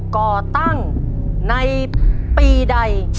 ก่อตั้งในปีใด